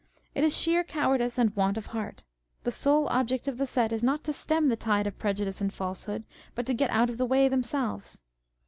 It is sheer cowardice and want of heart. The sole object of the set is not to stem the tide of prejudice and falsehood, but to get out of the wray themselves.